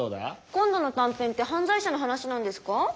今度の短編って犯罪者の話なんですか？